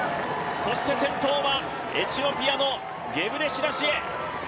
そして先頭はエチオピアのゲブレシラシエ。